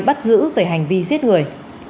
bắt giữ về hành vi giết người